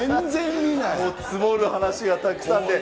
積もる話がたくさんで。